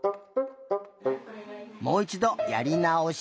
もういちどやりなおし。